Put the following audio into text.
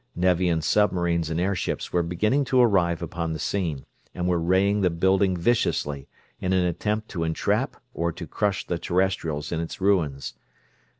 Nevian submarines and airships were beginning to arrive upon the scene, and were raying the building viciously in an attempt to entrap or to crush the Terrestrials in its ruins.